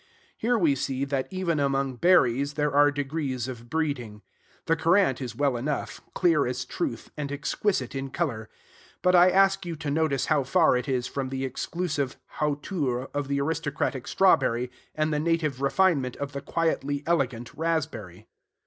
Here we see, that, even among berries, there are degrees of breeding. The currant is well enough, clear as truth, and exquisite in color; but I ask you to notice how far it is from the exclusive hauteur of the aristocratic strawberry, and the native refinement of the quietly elegant raspberry.